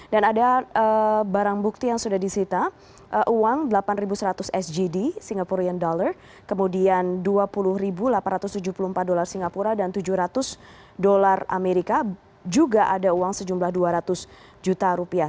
dan ada barang bukti yang sudah disita uang delapan seratus sgd kemudian dua puluh delapan ratus tujuh puluh empat dolar singapura dan tujuh ratus dolar amerika juga ada uang sejumlah dua ratus juta rupiah